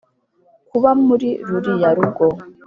Kuba muri ruriya rugo